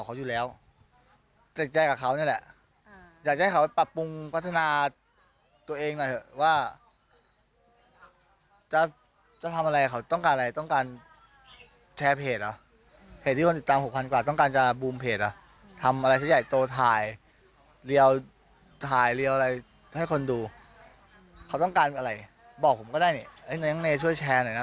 บอกผมก็ได้เนยังไงช่วยแชร์หน่อยนะ